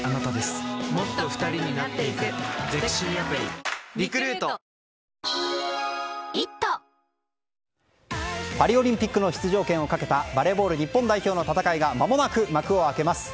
カルピスはぁあなたに甘ずっぱいパリオリンピックの出場権をかけたバレーボール日本代表の戦いがまもなく幕を開けます。